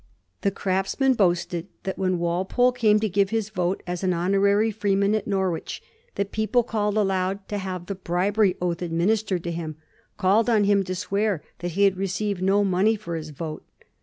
The Craftsman boasted that when Walpole came to give his vote as an honorary freeman at Norwich the people called aloud to have the bribery oath administered to him; called on him to swear that he had received no money for his vote.